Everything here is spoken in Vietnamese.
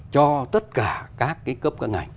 cho tất cả các cái cấp các ngành